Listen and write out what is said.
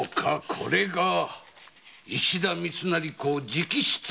これが石田三成公直筆の密書か。